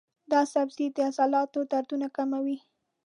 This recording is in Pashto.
دا سبزی د عضلاتو دردونه کموي.